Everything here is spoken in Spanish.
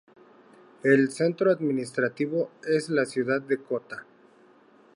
El centro administrativo es la ciudad de Kota.